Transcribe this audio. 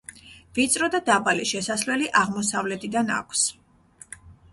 ვიწრო და დაბალი შესასვლელი აღმოსავლეთიდან აქვს.